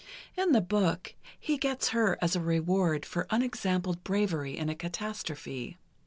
In the book, he gets her as a reward for unexampled bravery in a catastrophe.